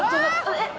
えっ？